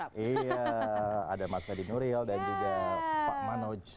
iya ada mas kadinuril dan juga pak manoj